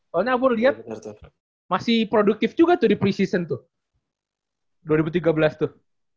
soalnya abu udah liat masih produktif juga tuh di pre season tuh dua ribu tiga belas tuh